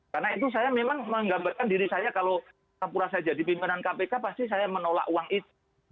karena itu saya memang menggambarkan diri saya kalau sapura saya jadi pimpinan kpk pasti saya menolak uang itu